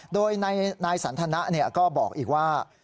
โดยนายสันทนะก็บอกอีกว่า